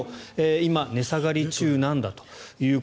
今、値下がり中なんだと。